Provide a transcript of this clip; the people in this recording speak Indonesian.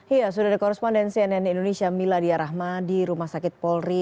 ya sudah ada korespondensi nn indonesia miladia rahma di rumah sakit polri